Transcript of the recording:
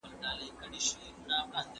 ويل كشكي ته پيدا نه واى له موره